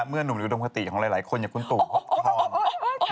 เมื่อนุ่มหรืออุดมคติของหลายคนอย่างคุณตู่กพร้อม